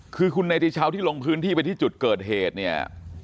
คือคุณเนติชาวที่ลงพื้นที่ไปที่จุดเกิดเหตุเนี่ย